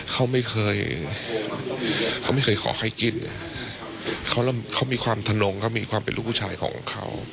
เขาไม่เคยเขาไม่เคยขอให้กินเขามีความถนงเขามีความเป็นลูกผู้ชายของเขา